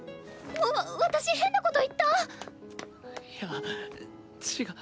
わわ私変なこと言ったいや違っ。